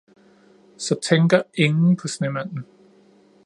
Så tænker ingen på snemanden!